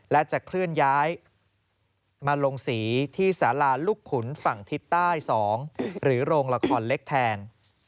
และจะเคลื่อนย้ายมาลงสีที่สาราลูกขุนฝั่งทิศใต้๒หรือโรงละครเล็กแทน